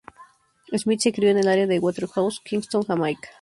Smith se crio en el área de Waterhouse, Kingston, Jamaica.